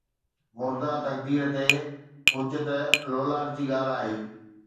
مرده تقرير تي حجت، لولاک جي ڳالهه آهي